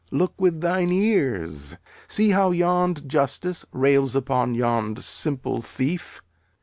Look with thine ears. See how yond justice rails upon yond simple thief.